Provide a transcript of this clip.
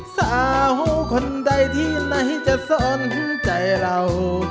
สาวคนใดที่ไหนจะสนใจเรา